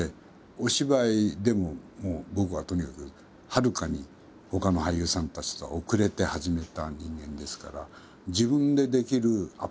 お芝居でももう僕はとにかくはるかにほかの俳優さんたちとは遅れて始めた人間ですから。